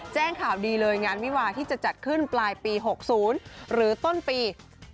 แจ้งข่าวดีเลยงานวิวาที่จะจัดขึ้นปลายปี๖๐หรือต้นปี